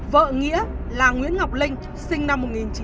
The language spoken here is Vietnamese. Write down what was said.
vợ nghĩa là nguyễn ngọc linh sinh năm một nghìn chín trăm chín mươi bốn